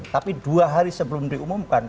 tapi dua hari sebelum diumumkan